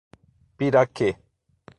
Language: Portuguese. Piraquê